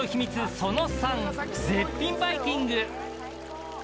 その３絶品バイキング。